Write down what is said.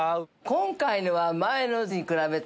今回のは。